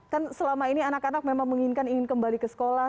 kan selama ini anak anak memang menginginkan ingin kembali ke sekolah